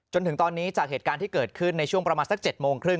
จนถึงตอนนี้จากเหตุการณ์ที่เกิดขึ้นในช่วงประมาณสัก๗โมงครึ่ง